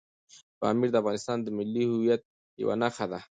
پامیر د افغانستان د ملي هویت یوه نښه ده.